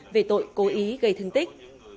về tội cố ý gây thương tích